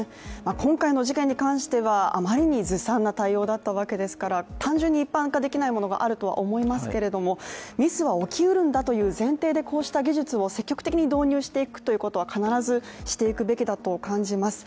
今回の事件に関しては、あまりにずさんな対応だったわけですから単純に一般化できないものがあるとは思いますけれどもミスは起きうるんだという前提でこうした技術を積極的に導入していくということは必ずしていくべきだと感じます。